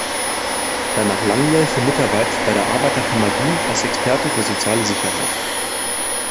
Danach langjährige Mitarbeit bei der Arbeiterkammer Wien als Experte für Soziale Sicherheit.